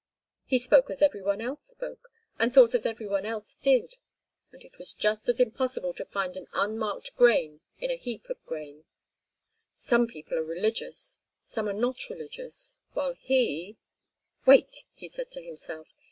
He spoke as everyone else spoke, and thought as everybody else did, and it was just as impossible to find an unmarked grain in a heap of grain. Some people are religious, some are not religious, while he— "Wait," he said to himself.